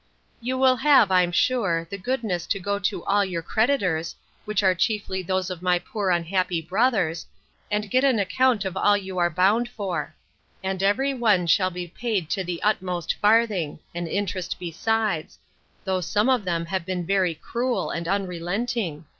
You will have, I'm sure, the goodness to go to all your creditors, which are chiefly those of my poor unhappy brothers, and get an account of all you are bound for; and every one shall be paid to the utmost farthing, and interest besides, though some of them have been very cruel and unrelenting.